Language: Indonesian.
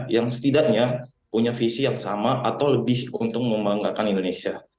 yang setidaknya punya visi yang sama atau lebih untung membanggakan indonesia